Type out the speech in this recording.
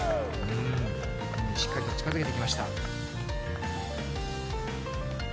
しっかりと近づけてきました。